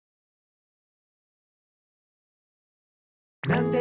「なんで？